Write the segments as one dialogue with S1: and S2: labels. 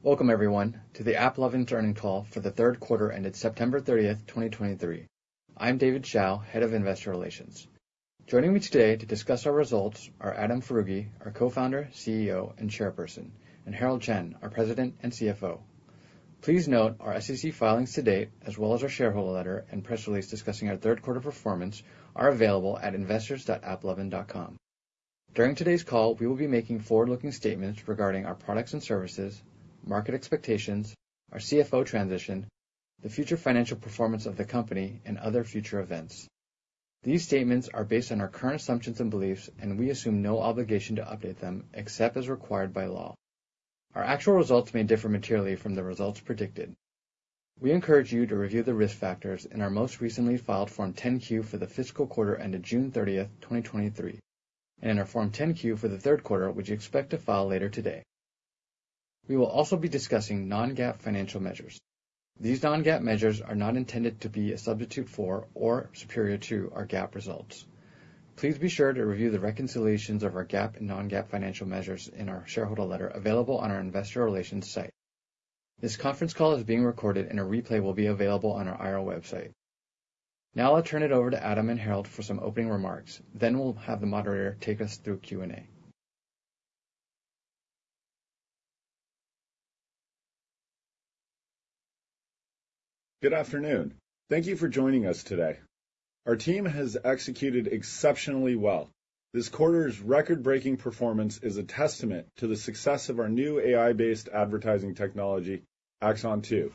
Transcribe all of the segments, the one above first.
S1: Welcome everyone to the AppLovin earnings call for the third quarter ended 30 September2023. I'm David Hsiao, Head of Investor Relations. Joining me today to discuss our results are Adam Foroughi, our Co-Founder, CEO, and Chairperson, and Herald Chen, our President and CFO. Please note our SEC filings to date, as well as our shareholder letter and press release discussing our third quarter performance are available at investors.applovin.com. During today's call, we will be making forward-looking statements regarding our products and services, market expectations, our CFO transition, the future financial performance of the company, and other future events. These statements are based on our current assumptions and beliefs, and we assume no obligation to update them except as required by law. Our actual results may differ materially from the results predicted. We encourage you to review the risk factors in our most recently filed Form 10-Q for the fiscal quarter ended 30 June 2023, and in our Form 10-Q for the third quarter, which we expect to file later today. We will also be discussing non-GAAP financial measures. These non-GAAP measures are not intended to be a substitute for or superior to our GAAP results. Please be sure to review the reconciliations of our GAAP and non-GAAP financial measures in our shareholder letter available on our investor relations site. This conference call is being recorded, and a replay will be available on our IR website. Now I'll turn it over to Adam and Herald for some opening remarks, then we'll have the moderator take us through Q&A.
S2: Good afternoon. Thank you for joining us today. Our team has executed exceptionally well. This quarter's record-breaking performance is a testament to the success of our new AI-based advertising technology, Axon 2.0,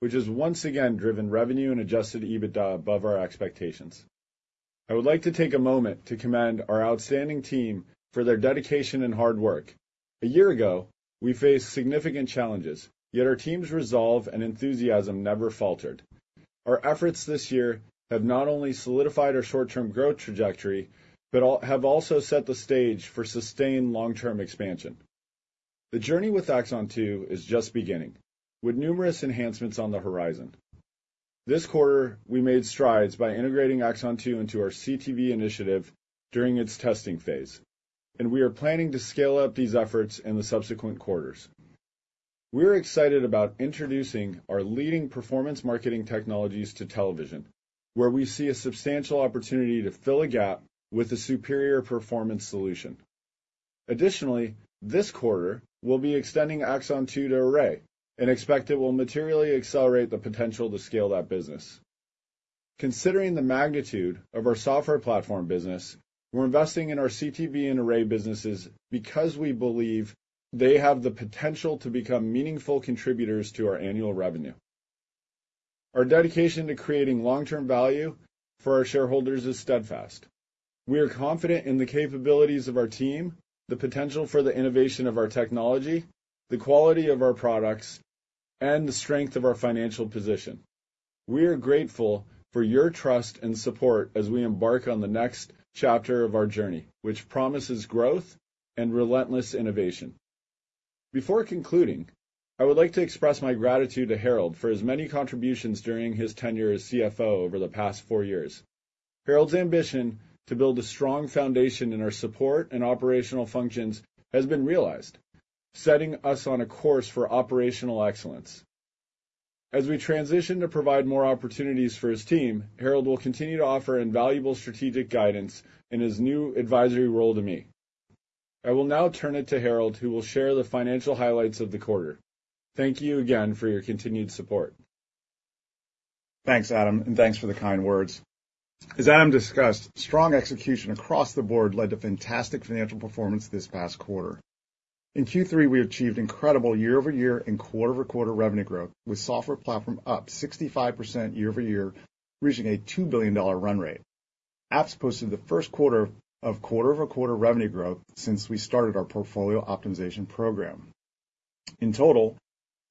S2: which has once again driven revenue and Adjusted EBITDA above our expectations. I would like to take a moment to commend our outstanding team for their dedication and hard work. A year ago, we faced significant challenges, yet our team's resolve and enthusiasm never faltered. Our efforts this year have not only solidified our short-term growth trajectory, but have also set the stage for sustained long-term expansion. The journey with Axon 2.0 is just beginning, with numerous enhancements on the horizon. This quarter, we made strides by integrating Axon 2.0 into our CTV initiative during its testing phase, and we are planning to scale up these efforts in the subsequent quarters. We're excited about introducing our leading performance marketing technologies to television, where we see a substantial opportunity to fill a gap with a superior performance solution. Additionally, this quarter, we'll be extending Axon 2.0 to Array and expect it will materially accelerate the potential to scale that business. Considering the magnitude of our software platform business, we're investing in our CTV and Array businesses because we believe they have the potential to become meaningful contributors to our annual revenue. Our dedication to creating long-term value for our shareholders is steadfast. We are confident in the capabilities of our team, the potential for the innovation of our technology, the quality of our products, and the strength of our financial position. We are grateful for your trust and support as we embark on the next chapter of our journey, which promises growth and relentless innovation. Before concluding, I would like to express my gratitude to Herald for his many contributions during his tenure as CFO over the past four years. Herald's ambition to build a strong foundation in our support and operational functions has been realized, setting us on a course for operational excellence. As we transition to provide more opportunities for his team, Herald will continue to offer invaluable strategic guidance in his new advisory role to me. I will now turn it to Herald, who will share the financial highlights of the quarter. Thank you again for your continued support.
S3: Thanks, Adam, and thanks for the kind words. As Adam discussed, strong execution across the board led to fantastic financial performance this past quarter. In Q3, we achieved incredible YoY and QoQ revenue growth, with software platform up 65% year-over-year, reaching a $2 billion run rate. Apps posted the first quarter of QoQ revenue growth since we started our portfolio optimization program. In total,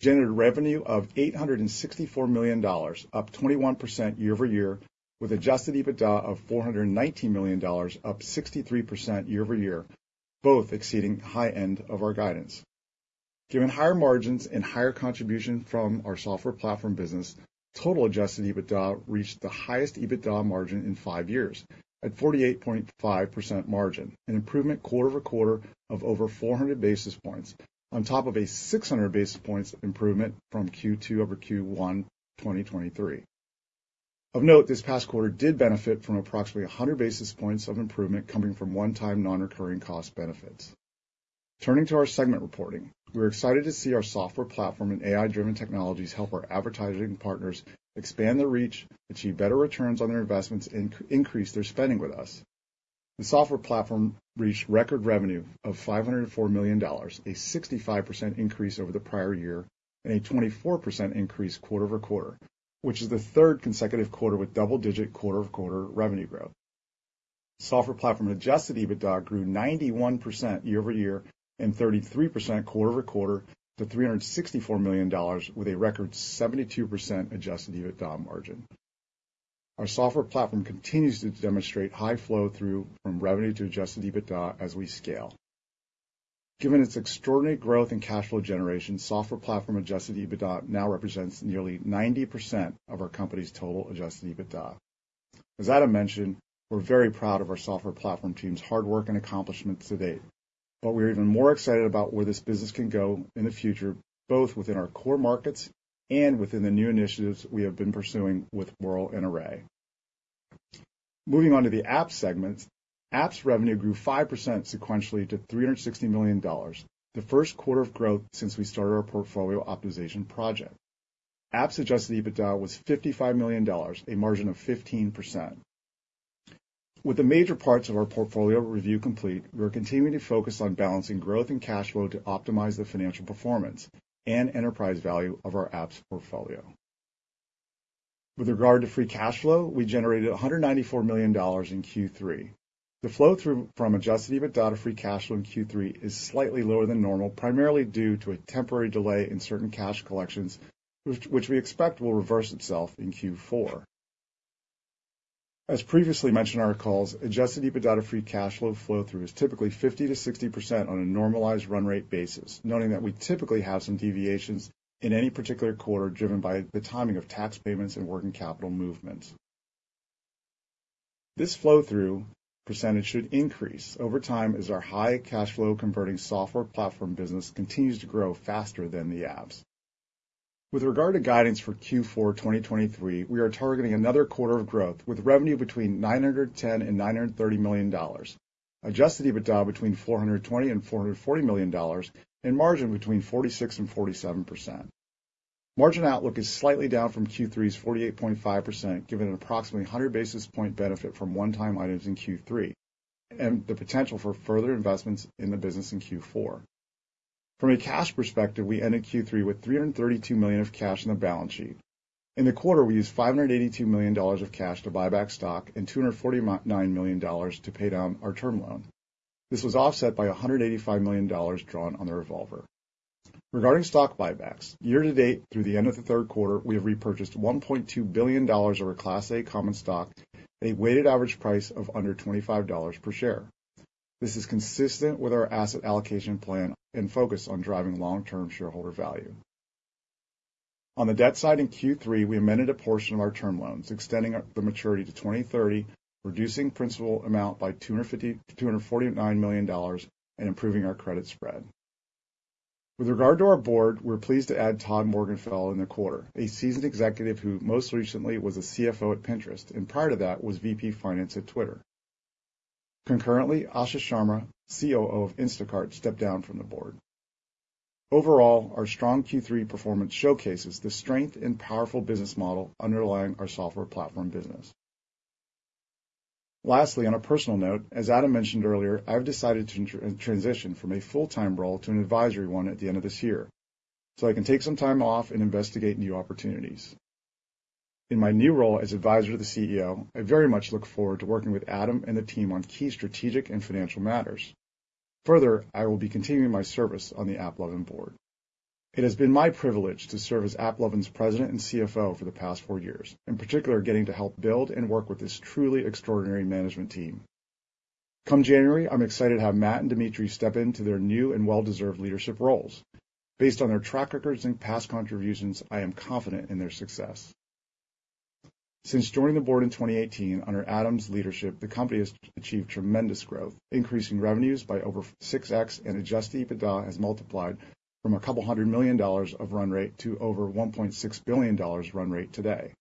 S3: generated revenue of $864 million, up 21% YoY, with Adjusted EBITDA of $419 million, up 63%YoY, both exceeding high end of our guidance. Given higher margins and higher contribution from our software platform business, total Adjusted EBITDA reached the highest EBITDA margin in five years, at 48.5% margin, an improvement QoQ of over 400 basis points, on top of a 600 basis points improvement from Q2 over Q1, 2023. Of note, this past quarter did benefit from approximately 100 basis points of improvement coming from one-time non-recurring cost benefits. Turning to our segment reporting, we're excited to see our software platform and AI-driven technologies help our advertising partners expand their reach, achieve better returns on their investments, and increase their spending with us. The software platform reached record revenue of $504 million, a 65% increase over the prior year and a 24% increase QoQ, which is the third consecutive quarter with double-digit QoQ revenue growth. Software platform Adjusted EBITDA grew 91% YoY and 33% QoQ to $364 million, with a record 72% Adjusted EBITDA margin. Our software platform continues to demonstrate high flow through from revenue to Adjusted EBITDA as we scale. Given its extraordinary growth in cash flow generation, software platform Adjusted EBITDA now represents nearly 90% of our company's total Adjusted EBITDA.... As Adam mentioned, we're very proud of our software platform team's hard work and accomplishments to date. But we're even more excited about where this business can go in the future, both within our core markets and within the new initiatives we have been pursuing with Wurl and Array. Moving on to the apps segment. Apps revenue grew 5% sequentially to $360 million, the first quarter of growth since we started our portfolio optimization project. Apps Adjusted EBITDA was $55 million, a margin of 15%. With the major parts of our portfolio review complete, we are continuing to focus on balancing growth and cash flow to optimize the financial performance and enterprise value of our apps portfolio. With regard to free cash flow, we generated $194 million in Q3. The flow-through from Adjusted EBITDA to free cash flow in Q3 is slightly lower than normal, primarily due to a temporary delay in certain cash collections, which we expect will reverse itself in Q4. As previously mentioned in our calls, Adjusted EBITDA free cash flow flow-through is typically 50%-60% on a normalized run rate basis, noting that we typically have some deviations in any particular quarter, driven by the timing of tax payments and working capital movements. This flow-through percentage should increase over time as our high cash flow-converting software platform business continues to grow faster than the apps. With regard to guidance for Q4 2023, we are targeting another quarter of growth, with revenue between $910 million and $930 million, Adjusted EBITDA between $420 million and $440 million, and margin between 46%-47%. Margin outlook is slightly down from Q3's 48.5%, given an approximately 100 basis point benefit from one-time items in Q3, and the potential for further investments in the business in Q4. From a cash perspective, we ended Q3 with $332 million of cash on the balance sheet. In the quarter, we used $582 million of cash to buy back stock and $249 million to pay down our term loan. This was offset by $185 million drawn on the revolver. Regarding stock buybacks, year to date, through the end of the third quarter, we have repurchased $1.2 billion of our Class A common stock, a weighted average price of under $25 per share. This is consistent with our asset allocation plan and focus on driving long-term shareholder value. On the debt side, in Q3, we amended a portion of our term loans, extending the maturity to 2030, reducing principal amount by $249 million, and improving our credit spread. With regard to our board, we're pleased to add Todd Morgenfeld in the quarter, a seasoned executive who most recently was CFO at Pinterest, and prior to that, was VP Finance at Twitter. Concurrently, Asha Sharma, COO of Instacart, stepped down from the board. Overall, our strong Q3 performance showcases the strength and powerful business model underlying our software platform business. Lastly, on a personal note, as Adam mentioned earlier, I've decided to transition from a full-time role to an advisory one at the end of this year, so I can take some time off and investigate new opportunities. In my new role as advisor to the CEO, I very much look forward to working with Adam and the team on key strategic and financial matters. Further, I will be continuing my service on the AppLovin board. It has been my privilege to serve as AppLovin's President and CFO for the past four years, in particular, getting to help build and work with this truly extraordinary management team. Come January, I'm excited to have Matt and Dmitriy step into their new and well-deserved leadership roles. Based on their track records and past contributions, I am confident in their success. Since joining the board in 2018, under Adam's leadership, the company has achieved tremendous growth, increasing revenues by over 6x, and Adjusted EBITDA has multiplied from $200 million of run rate to over $1.6 billion run rate today.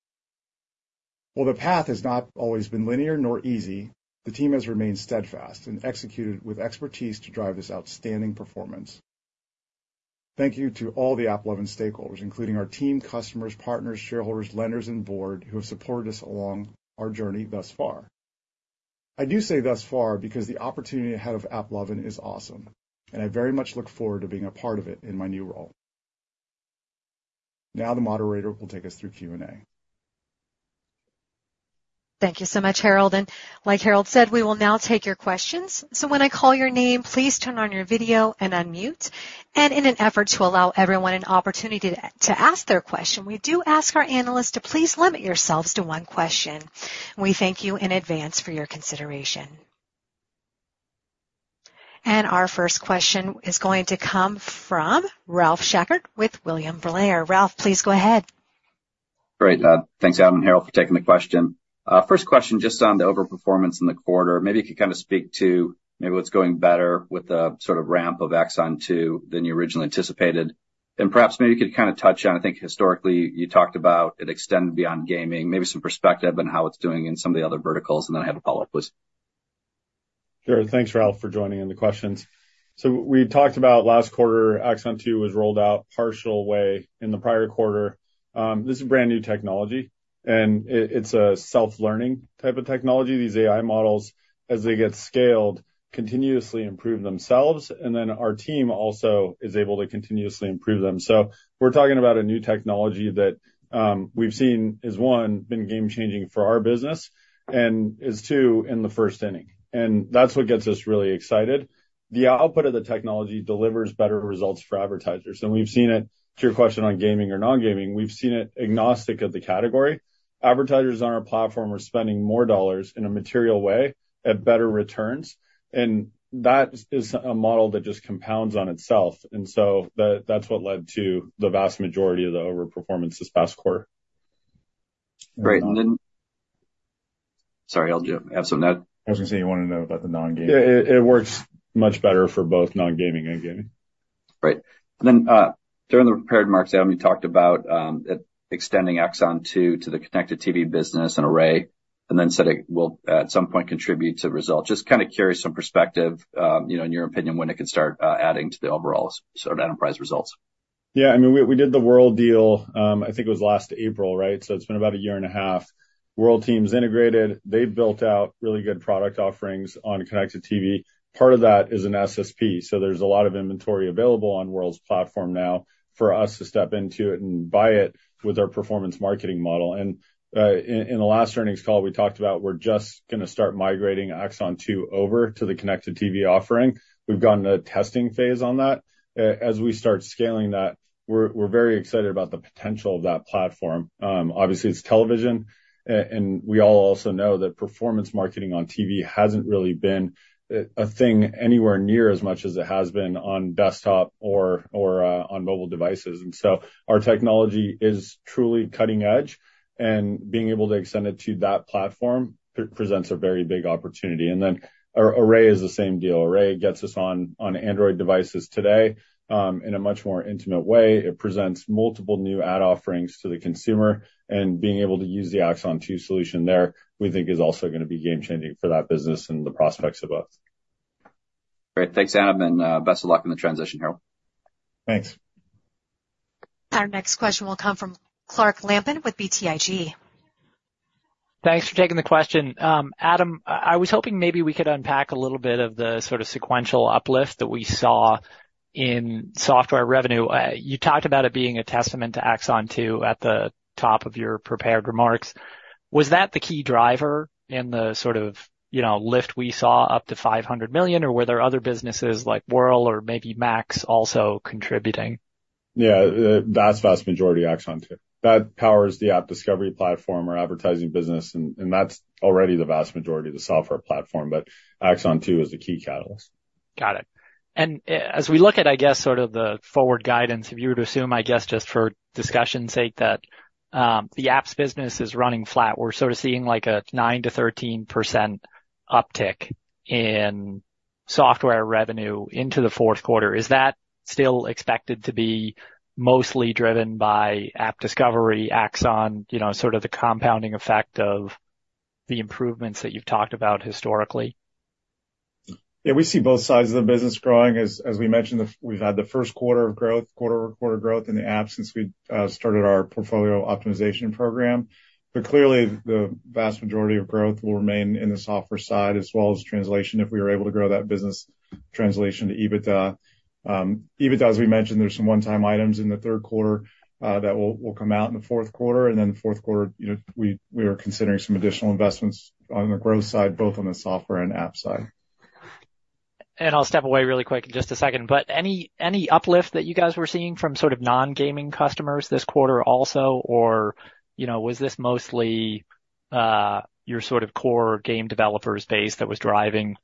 S3: While the path has not always been linear nor easy, the team has remained steadfast and executed with expertise to drive this outstanding performance. Thank you to all the AppLovin stakeholders, including our team, customers, partners, shareholders, lenders, and board who have supported us along our journey thus far. I do say thus far, because the opportunity ahead of AppLovin is awesome, and I very much look forward to being a part of it in my new role. Now, the moderator will take us through Q&A.
S4: Thank you so much, Herald. And like Herald said, we will now take your questions. So when I call your name, please turn on your video and unmute. And in an effort to allow everyone an opportunity to ask their question, we do ask our analysts to please limit yourselves to one question. We thank you in advance for your consideration. And our first question is going to come from Ralph Schackart with William Blair. Ralph, please go ahead.
S5: Great. Thanks, Adam and Herald, for taking the question. First question, just on the overperformance in the quarter, maybe you could kind of speak to maybe what's going better with the sort of ramp of Axon 2.0 than you originally anticipated. And perhaps maybe you could kind of touch on, I think historically, you talked about it extended beyond gaming, maybe some perspective on how it's doing in some of the other verticals, and then I have a follow-up, please.
S2: Sure. Thanks, Ralph, for joining in the questions. So we talked about last quarter, Axon 2.0 was rolled out partial way in the prior quarter. This is brand-new technology, and it, it's a self-learning type of technology. These AI models, as they get scaled, continuously improve themselves, and then our team also is able to continuously improve them. So we're talking about a new technology that, we've seen is, one, been game-changing for our business and is two, in the first inning. And that's what gets us really excited. The output of the technology delivers better results for advertisers, and we've seen it. To your question on gaming or non-gaming, we've seen it agnostic of the category. Advertisers on our platform are spending more dollars in a material way at better returns, and that is a model that just compounds on itself, and so that, that's what led to the vast majority of the overperformance this past quarter.
S5: Great. And then-Sorry, I'll just add some that- I was gonna say, you want to know about the non-gaming?
S2: Yeah, it, it works much better for both non-gaming and gaming.
S5: Right. And then, during the prepared remarks, Adam, you talked about extending Axon 2.0 to the connected TV business and Array, and then said it will, at some point, contribute to results. Just kind of curious, some perspective, you know, in your opinion, when it could start adding to the overall sort of enterprise results?
S2: Yeah, I mean, we did the Wurl deal. I think it was last April, right? So it's been about a year and a half. Wurl team's integrated. They've built out really good product offerings on connected TV. Part of that is an SSP, so there's a lot of inventory available on Wurl's platform now for us to step into it and buy it with our performance marketing model. And in the last earnings call, we talked about we're just gonna start migrating Axon 2.0 over to the connected TV offering. We've gone to a testing phase on that. As we start scaling that, we're very excited about the potential of that platform. Obviously, it's television, and we all also know that performance marketing on TV hasn't really been a thing anywhere near as much as it has been on desktop or on mobile devices. And so our technology is truly cutting-edge, and being able to extend it to that platform presents a very big opportunity. And then Array is the same deal. Array gets us on Android devices today in a much more intimate way. It presents multiple new ad offerings to the consumer, and being able to use the Axon 2.0 solution there, we think is also gonna be game-changing for that business and the prospects of both.
S5: Great. Thanks, Adam, and best of luck in the transition here.
S2: Thanks.
S4: Our next question will come from Clark Lampen with BTIG.
S6: Thanks for taking the question. Adam, I was hoping maybe we could unpack a little bit of the sort of sequential uplift that we saw in software revenue. You talked about it being a testament to Axon 2.0 at the top of your prepared remarks. Was that the key driver in the sort of, you know, lift we saw up to $500 million, or were there other businesses like Wurl or maybe MAX also contributing?
S2: Yeah, the vast, vast majority, Axon 2.0. That powers the app discovery platform or advertising business, and, and that's already the vast majority of the software platform, but Axon 2.0 is the key catalyst.
S6: Got it. As we look at, I guess, sort of the forward guidance, if you were to assume, I guess, just for discussion's sake, that the apps business is running flat, we're sort of seeing like a 9%-13% uptick in software revenue into the fourth quarter. Is that still expected to be mostly driven by AppDiscovery, Axon, you know, sort of the compounding effect of the improvements that you've talked about historically?
S2: Yeah, we see both sides of the business growing. As we mentioned, we've had the first quarter of growth, quarter-over-quarter growth in the app since we started our portfolio optimization program. But clearly, the vast majority of growth will remain in the software side as well as translation, if we are able to grow that business translation to EBITDA. EBITDA, as we mentioned, there's some one-time items in the third quarter that will come out in the fourth quarter, and then fourth quarter, you know, we are considering some additional investments on the growth side, both on the software and app side.
S6: I'll step away really quick in just a second, but any, any uplift that you guys were seeing from sort of non-gaming customers this quarter also? Or, you know, was this mostly, your sort of core game developers base that was driving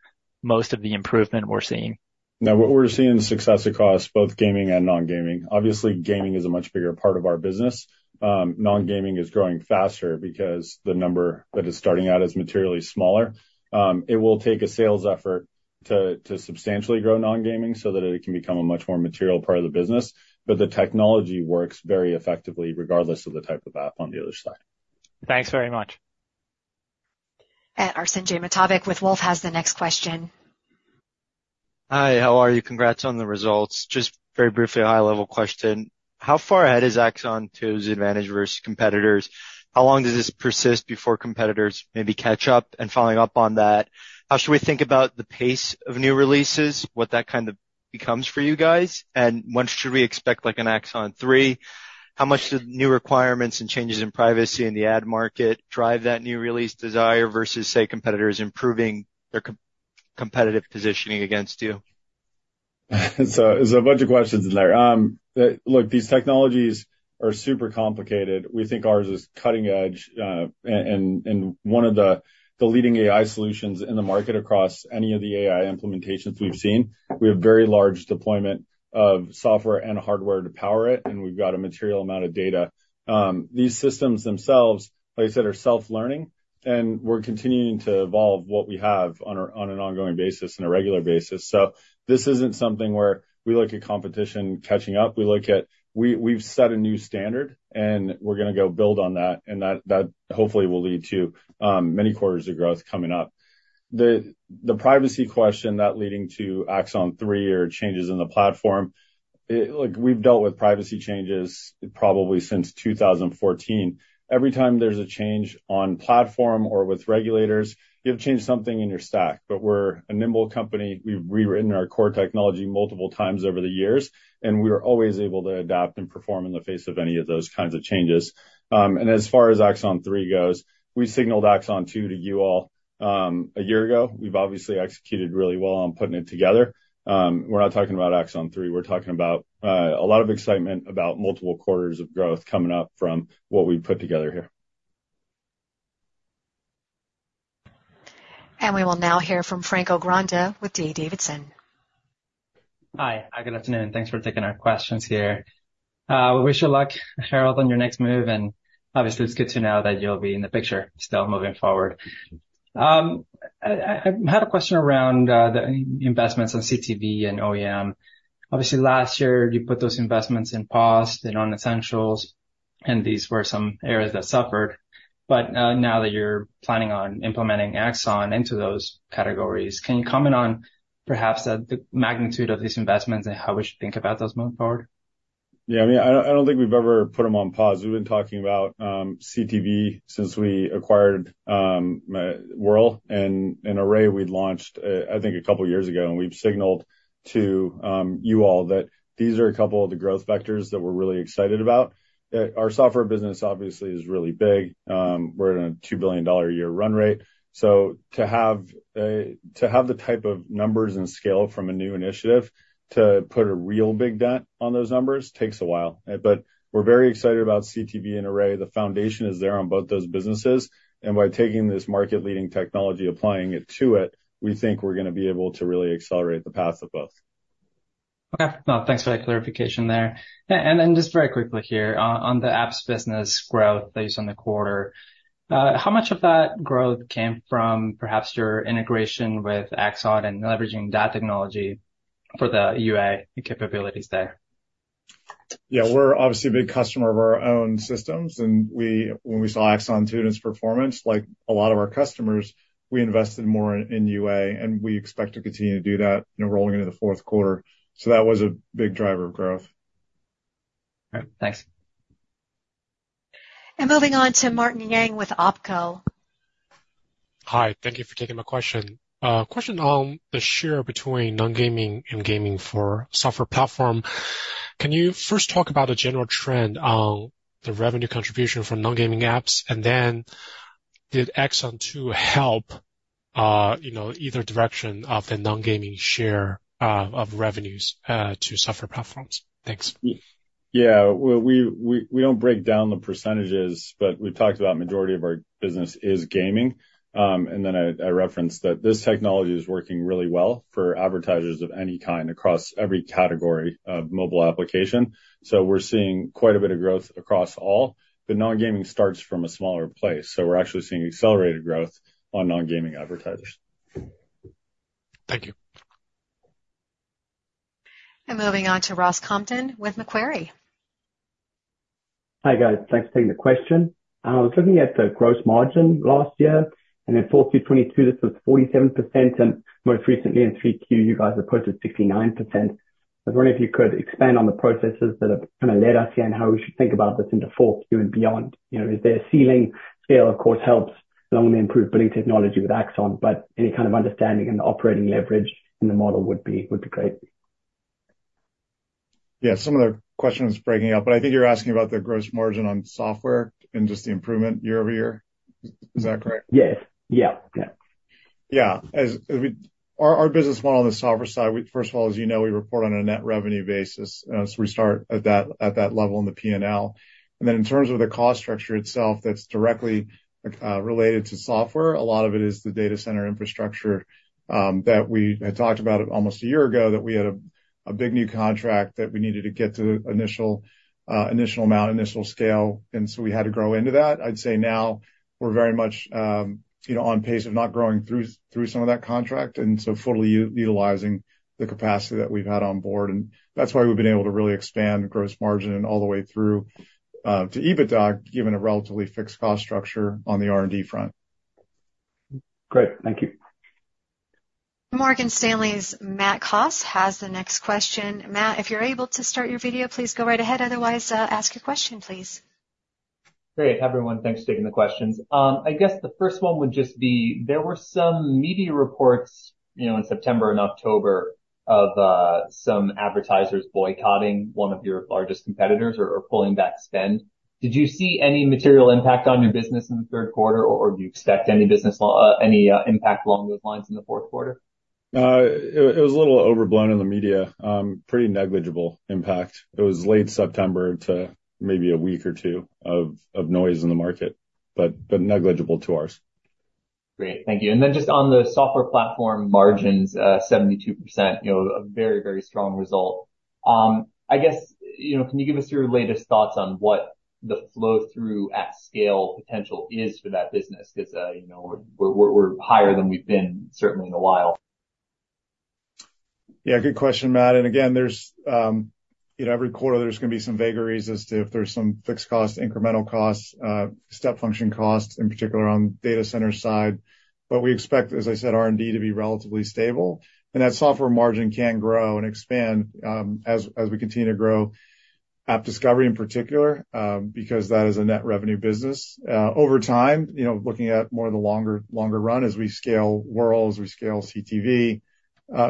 S6: most of the improvement we're seeing?
S2: No, what we're seeing is success across both gaming and non-gaming. Obviously, gaming is a much bigger part of our business. Non-gaming is growing faster because the number that is starting out is materially smaller. It will take a sales effort to substantially grow non-gaming so that it can become a much more material part of the business, but the technology works very effectively, regardless of the type of app on the other side.
S6: Thanks very much.
S4: Arsenije Matovic with Wolfe has the next question.
S7: Hi, how are you? Congrats on the results. Just very briefly, a high-level question: How far ahead is Axon 2.0's advantage versus competitors? How long does this persist before competitors maybe catch up? And following up on that, how should we think about the pace of new releases, what that kind of becomes for you guys, and when should we expect, like, an Axon 3? How much do the new requirements and changes in privacy in the ad market drive that new release desire versus, say, competitors improving their competitive positioning against you?
S2: So there's a bunch of questions in there. Look, these technologies are super complicated. We think ours is cutting-edge, and one of the leading AI solutions in the market across any of the AI implementations we've seen. We have very large deployment of software and hardware to power it, and we've got a material amount of data. These systems themselves, like I said, are self-learning, and we're continuing to evolve what we have on an ongoing basis and a regular basis. So this isn't something where we look at competition catching up. We look at... We've set a new standard, and we're gonna go build on that, and that hopefully will lead to many quarters of growth coming up. The privacy question, that leading to Axon 3 or changes in the platform, look, we've dealt with privacy changes probably since 2014. Every time there's a change on platform or with regulators, you have to change something in your stack. But we're a nimble company. We've rewritten our core technology multiple times over the years, and we are always able to adapt and perform in the face of any of those kinds of changes. And as far as Axon 3 goes, we signaled Axon 2.0 to you all a year ago. We've obviously executed really well on putting it together. We're not talking about Axon 3. We're talking about a lot of excitement about multiple quarters of growth coming up from what we've put together here.
S4: We will now hear from Franco Granda with D.A. Davidson.
S8: Hi, good afternoon, and thanks for taking our questions here. We wish you luck, Herald, on your next move, and obviously it's good to know that you'll be in the picture still moving forward. I had a question around the investments on CTV and OEM. Obviously, last year, you put those investments in pause and on essentials, and these were some areas that suffered. But now that you're planning on implementing Axon into those categories, can you comment on perhaps the magnitude of these investments and how we should think about those moving forward?
S2: Yeah. I mean, I don't, I don't think we've ever put them on pause. We've been talking about CTV since we acquired Wurl and Array we launched, I think a couple of years ago, and we've signaled to you all that these are a couple of the growth vectors that we're really excited about. Our software business obviously is really big. We're in a $2 billion a year run rate, so to have to have the type of numbers and scale from a new initiative to put a real big dent on those numbers takes a while. But we're very excited about CTV and Array. The foundation is there on both those businesses, and by taking this market-leading technology, applying it to it, we think we're gonna be able to really accelerate the path of both.
S8: Okay. Well, thanks for that clarification there. And then just very quickly here, on the apps business growth that you saw in the quarter, how much of that growth came from perhaps your integration with Axon and leveraging that technology for the UA and capabilities there?
S2: Yeah, we're obviously a big customer of our own systems, and when we saw Axon 2.0's performance, like a lot of our customers, we invested more in UA, and we expect to continue to do that, you know, rolling into the fourth quarter. So that was a big driver of growth.
S8: Okay, thanks.
S4: Moving on to Martin Yang with OpCo.
S9: Hi, thank you for taking my question. Question on the share between non-gaming and gaming for software platform. Can you first talk about the general trend on the revenue contribution from non-gaming apps? And then did Axon 2.0 help, you know, either direction of the non-gaming share, of revenues, to software platforms? Thanks.
S2: Yeah, well, we don't break down the percentages, but we've talked about majority of our business is gaming. And then I referenced that this technology is working really well for advertisers of any kind across every category of mobile application. So we're seeing quite a bit of growth across all, but non-gaming starts from a smaller place, so we're actually seeing accelerated growth on non-gaming advertisers.
S9: Thank you.
S4: Moving on to Ross Compton with Macquarie.
S10: Hi, guys. Thanks for taking the question. I was looking at the gross margin last year, and in 4Q 2022, this was 47%, and most recently in 3Q, you guys reported 69%. I was wondering if you could expand on the processes that have kind of led us here and how we should think about this in the 4Q and beyond. You know, is there a ceiling? Scale, of course, helps along with the improved billing technology with Axon, but any kind of understanding and operating leverage in the model would be, would be great.
S2: Yeah, some of the question was breaking up, but I think you're asking about the gross margin on software and just the improvement YoY. Is that correct?
S10: Yes. Yeah. Yeah.
S2: Yeah. Our business model on the software side, we first of all, as you know, we report on a net revenue basis, so we start at that level in the PNL. And then in terms of the cost structure itself, that's directly related to software, a lot of it is the data center infrastructure that we had talked about almost a year ago, that we had a big new contract that we needed to get to initial amount, initial scale, and so we had to grow into that. I'd say now we're very much, you know, on pace of not growing through some of that contract, and so fully utilizing the capacity that we've had on board, and that's why we've been able to really expand gross margin all the way through to EBITDA, given a relatively fixed cost structure on the R&D front.
S10: Great. Thank you.
S4: Morgan Stanley's Matt Cost has the next question. Matt, if you're able to start your video, please go right ahead. Otherwise, ask your question, please.
S11: Great, everyone. Thanks for taking the questions. I guess the first one would just be, there were some media reports, you know, in September and October of some advertisers boycotting one of your largest competitors or, or pulling back spend. Did you see any material impact on your business in the third quarter, or do you expect any business impact along those lines in the fourth quarter?
S2: It was a little overblown in the media. Pretty negligible impact. It was late September to maybe a week or two of noise in the market, but negligible to ours.
S11: Great. Thank you. And then just on the software platform margins, 72%, you know, a very, very strong result. I guess, you know, can you give us your latest thoughts on what the flow-through at scale potential is for that business? Because, you know, we're, we're higher than we've been certainly in a while.
S2: Yeah, good question, Matt. And again, there's you know, every quarter there's going to be some vagaries as to if there's some fixed costs, incremental costs, step function costs, in particular on the data center side. But we expect, as I said, R&D to be relatively stable, and that software margin can grow and expand, as we continue to grow AppDiscovery in particular, because that is a net revenue business. Over time, you know, looking at more of the longer, longer run as we scale Wurl, we scale CTV.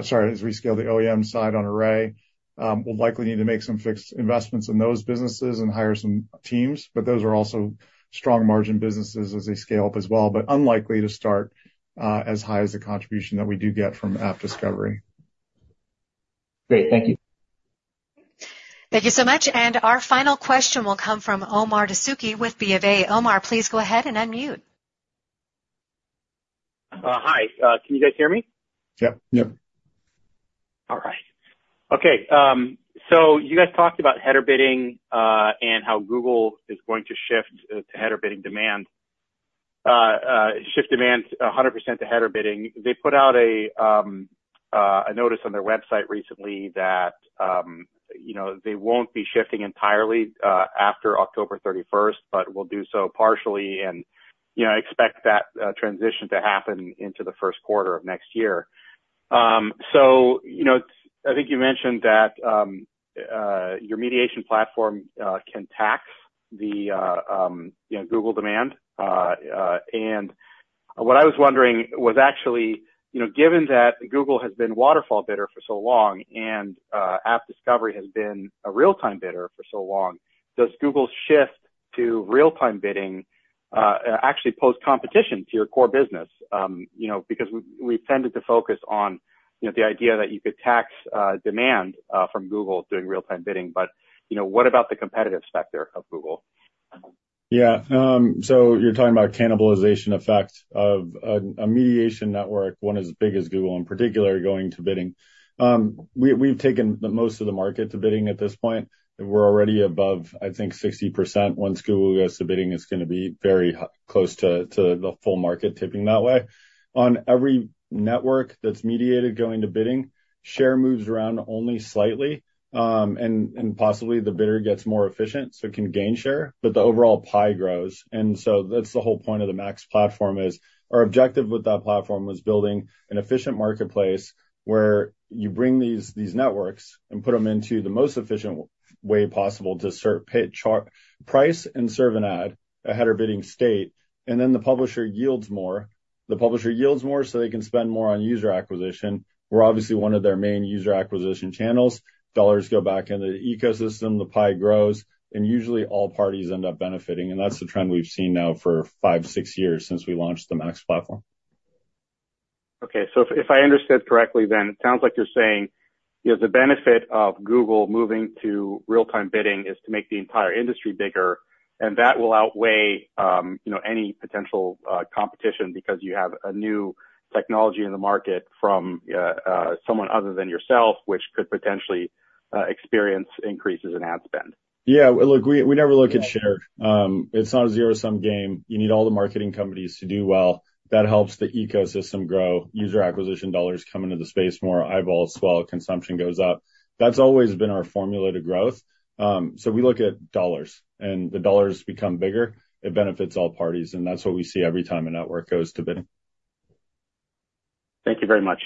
S2: Sorry, as we scale the OEM side on Array, we'll likely need to make some fixed investments in those businesses and hire some teams, but those are also strong margin businesses as they scale up as well, but unlikely to start as high as the contribution that we do get from AppDiscovery.
S11: Great. Thank you.
S4: Thank you so much. Our final question will come from Omar Dessouky with BofA. Omar, please go ahead and unmute.
S12: Hi, can you guys hear me?
S2: Yeah. Yep.
S12: All right. Okay, so you guys talked about header bidding, and how Google is going to shift to header bidding demand. Shift demand 100% to header bidding. They put out a notice on their website recently that, you know, they won't be shifting entirely after October 31st, but will do so partially, and, you know, expect that transition to happen into the first quarter of next year. So, you know, I think you mentioned that your mediation platform can tap the, you know, Google demand. And what I was wondering was actually, you know, given that Google has been waterfall bidder for so long, and app discovery has been a real-time bidder for so long, does Google's shift to real-time bidding actually pose competition to your core business? You know, because we've tended to focus on, you know, the idea that you could tax demand from Google doing real-time bidding. But, you know, what about the competitive specter of Google?
S2: Yeah. So you're talking about cannibalization effect of a mediation network, one as big as Google in particular, going to bidding. We've taken the most of the market to bidding at this point, and we're already above, I think, 60%. Once Google goes to bidding, it's gonna be very close to the full market tipping that way. On every network that's mediated going to bidding, share moves around only slightly, and possibly the bidder gets more efficient, so it can gain share, but the overall pie grows. And so that's the whole point of the MAX platform is, our objective with that platform was building an efficient marketplace, where you bring these networks and put them into the most efficient way possible to serve, pay, charge price, and serve an ad, a header bidding state, and then the publisher yields more. The publisher yields more, so they can spend more on user acquisition. We're obviously one of their main user acquisition channels. Dollars go back into the ecosystem, the pie grows, and usually all parties end up benefiting, and that's the trend we've seen now for five, six years, since we launched the MAX platform.
S12: Okay. So if I understood correctly, then, it sounds like you're saying, you know, the benefit of Google moving to real-time bidding is to make the entire industry bigger, and that will outweigh, you know, any potential competition, because you have a new technology in the market from someone other than yourself, which could potentially experience increases in ad spend.
S2: Yeah, look, we never look at share. It's not a zero-sum game. You need all the marketing companies to do well. That helps the ecosystem grow. User acquisition dollars come into the space more, eyeballs swell, consumption goes up. That's always been our formula to growth. So we look at dollars, and the dollars become bigger, it benefits all parties, and that's what we see every time a network goes to bidding.
S12: Thank you very much.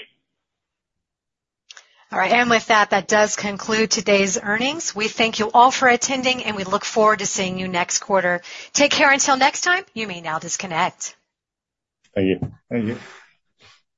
S4: All right. And with that, that does conclude today's earnings. We thank you all for attending, and we look forward to seeing you next quarter. Take care until next time. You may now disconnect.
S2: Thank you.
S3: Thank you.